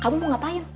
kamu mau ngapain